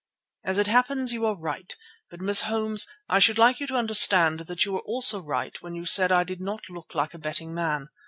"As it happens, you are right. But, Miss Holmes, I should like you to understand that you were also right when you said I did not look like a betting man."